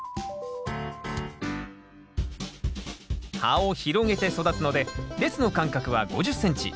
葉を広げて育つので列の間隔は５０ｃｍ。